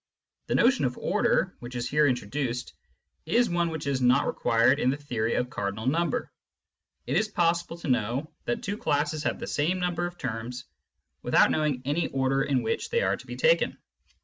The notion of order, which is here introduced, is one which is not required in the theory of cardinal number. It is possible to know that two classes have the same number of terms without knowing any order in which they are to be taken.